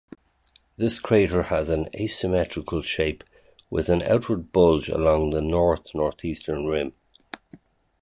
This crater has an asymmetrical shape with an outward bulge along the north-northeastern rim.